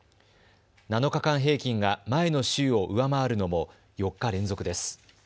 ７日間平均が前の週を上回るのも４日連続です。